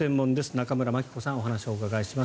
中室牧子さんにお話をお伺いします。